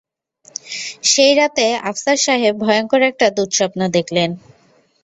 সেই রাতে আফসার সাহেব ভয়ংকর একটা দুঃস্বপ্ন দেখলেন।